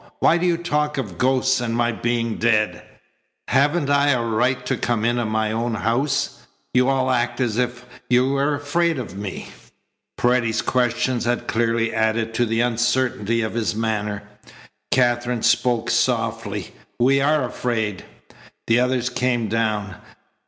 Why do you talk of ghosts and my being dead? Haven't I a right to come in my own house? You all act as if you were afraid of me." Paredes's questions had clearly added to the uncertainty of his manner. Katherine spoke softly: "We are afraid." The others came down.